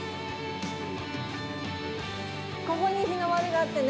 ここに日の丸があってね。